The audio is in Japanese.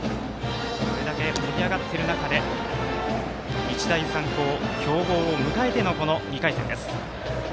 それだけ盛り上がっている中で日大三高という強豪を迎えての２回戦です。